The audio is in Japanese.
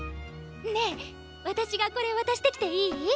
ねえ私がこれ渡してきていい？